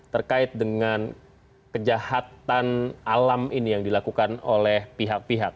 terkait dengan kejahatan alam ini yang dilakukan oleh pihak pihak